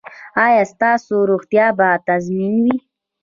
ایا ستاسو روغتیا به تضمین وي؟